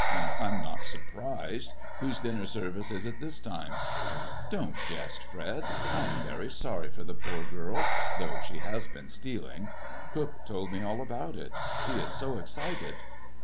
"I'm not surprised. Whose dinner service is it this time ]"" Don't jest, Fred. I am very sorry for the poor girl, though she has been stealing. Cook told me all about it. She is so excited."